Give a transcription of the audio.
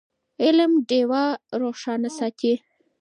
علم ډېوه روښانه ساتي.